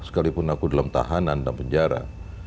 sekalipun aku dalam tahanan dan penjara